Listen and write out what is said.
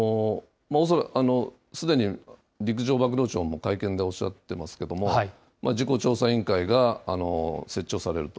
すでに陸上幕僚長も会見でおっしゃっていますけれども、事故調査委員会が設置をされると。